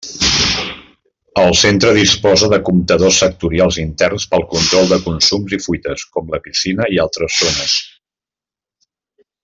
El centre disposa de comptadors sectorials interns pel control de consums i fuites, com la piscina i altres zones.